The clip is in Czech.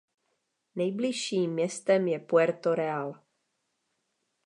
Nejbližším městem je Puerto Real.